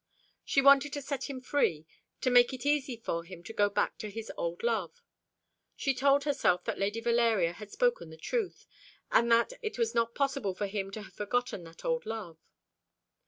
She wanted to set him free, to make it easy for him to go back to his old love. She told herself that Lady Valeria had spoken the truth, and that it was not possible for him to have forgotten that old love.